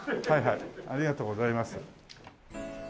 ありがとうございます。